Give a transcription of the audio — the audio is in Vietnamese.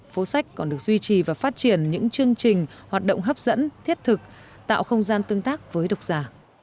phố sách còn được duy trì và phát triển những chương trình hoạt động hấp dẫn thiết thực tạo không gian tương tác với độc giả